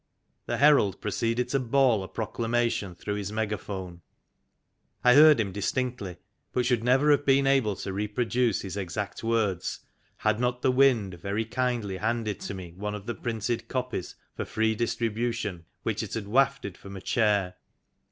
The Herald proceeded to bawl a proclamation through his mega phone. I heard him distinctly, but should never have been able to reproduce his exact words, had not the Wind very kindly handed to me one of the printed copies for free distribution which it had wafted from a chair.